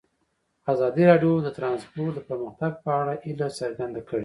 ازادي راډیو د ترانسپورټ د پرمختګ په اړه هیله څرګنده کړې.